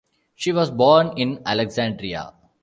She was born in Alexandria.